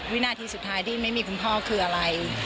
วินาทีสุดท้ายที่ไม่มีคุณพ่อคืออะไร